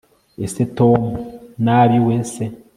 ese tom nabi wese